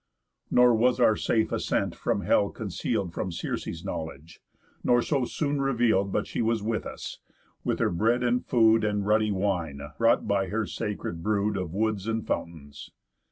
Nor was our safe ascent from Hell conceal'd From Circe's knowledge; nor so soon reveal'd But she was with us, with her bread and food, And ruddy wine, brought by her sacred brood Of woods and fountains.